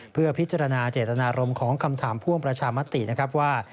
เพื่อพิจารณาเจตนารมณ์ของคำถามพ่วงประชามตินะครับว่า